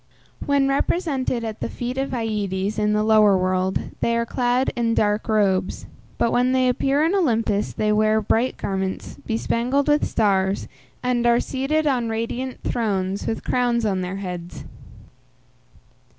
When represented at the feet of Aïdes in the lower world they are clad in dark robes; but when they appear in Olympus they wear bright garments, bespangled with stars, and are seated on radiant thrones, with crowns on their heads.